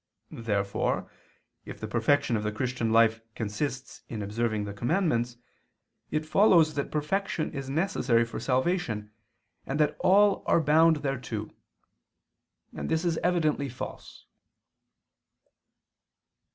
Therefore, if the perfection of the Christian life consists in observing the commandments, it follows that perfection is necessary for salvation, and that all are bound thereto; and this is evidently false.